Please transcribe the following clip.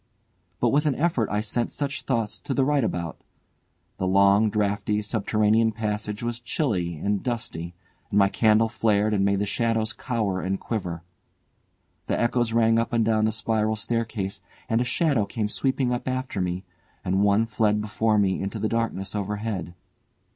But with an effort I sent such thoughts to the right about. The long, draughty subterranean passage was chilly and dusty, and my candle flared and made the shadows cower and quiver. The echoes rang up and down the spiral staircase, and a shadow came sweeping up after me, and one fled before me into the darkness overhead.